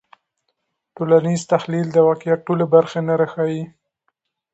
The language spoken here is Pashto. ټولنیز تحلیل د واقعیت ټولې برخې نه راښيي.